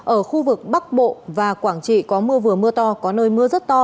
ở khu vực bắc bộ và quảng trị có mưa vừa mưa to có nơi mưa rất to